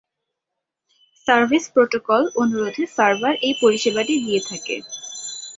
Service protocol অনুরোধে server এই পরিষেবাটি দিয়ে থাকে।